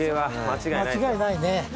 間違いないね。